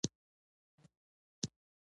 موټر سره خلک ډېر ژر منزل ته رسېږي.